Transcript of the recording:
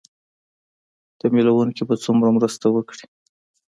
ې تمويلوونکي به څومره مرسته وکړي